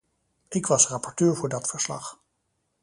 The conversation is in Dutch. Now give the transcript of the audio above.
Ik was rapporteur voor dat verslag.